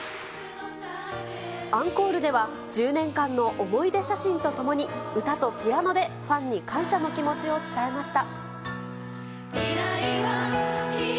アンコールでは１０年間の思い出写真とともに歌とピアノでファンに感謝を気持ちを伝えました。